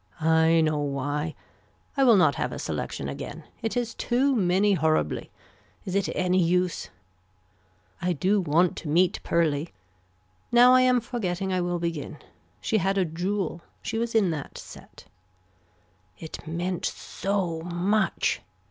I know why. I will not have a selection again. It is too many horribly. Is it any use. I do want to meet pearly. Now I am forgetting I will begin. She had a jewel. She was in that set. It meant so much.